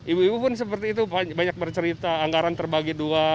ibu ibu pun seperti itu banyak bercerita anggaran terbagi dua